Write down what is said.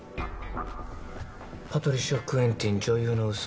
パトリシア・クエンティン「女優の嘘」